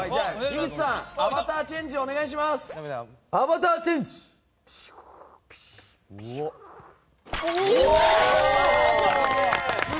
樋口さん、アバターチェンジお願いします。